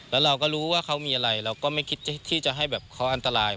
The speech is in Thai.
แล้วเราก็รู้ว่าเขามีอะไรเราก็ไม่คิดที่จะให้แบบเขาอันตราย